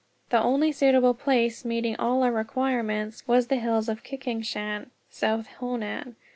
The only suitable place, meeting all our requirements, was on the hills at Kikungshan, South Honan.